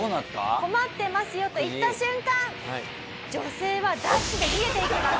困ってますよと言った瞬間女性はダッシュで逃げていきます。